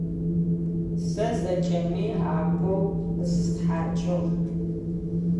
Сэ зэкӏэми апэу зыстхьакӏыгъ.